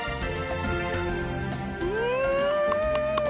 うん！